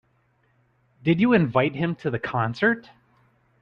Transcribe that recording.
Did you invite him to the concert?